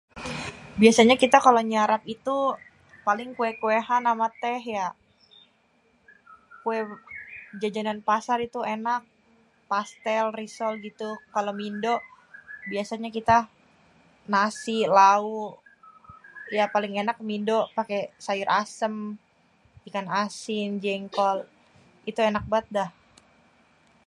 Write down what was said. Biasanya kita kalo nyarap itu paling kue-kuean ama teh, yak. Kue jajanan pasar itu enak, pastel, risol, gitu. Kalo mindo, biasanya kita nasi, lauk. Ya paling enak mindo pake sayur asem, ikan asin, jengkol. Itu enak bat, dah.